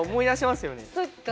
そっか。